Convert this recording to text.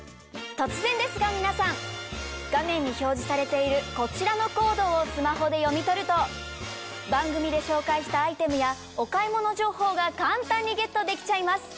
突然ですが皆さん画面に表示されているこちらのコードをスマホで読み取ると番組で紹介したアイテムやお買い物情報が簡単にゲットできちゃいます！